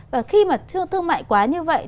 và khi mà thương mại quá như vậy